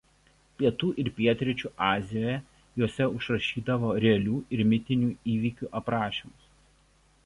Pietų ir pietryčių Azijoje juose užrašydavo realių ir mitinių įvykių aprašymus.